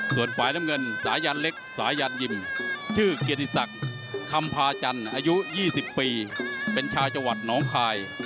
ส่วนฝ่ายน้ำเงินสายันเล็กสายันยิมชื่อเกียรติศักดิ์คำพาจันทร์อายุ๒๐ปีเป็นชาวจังหวัดน้องคาย